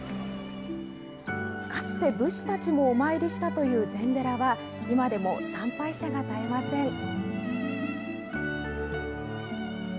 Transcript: かつて武士たちもお参りしたという禅寺は、今でも参拝者が絶えません。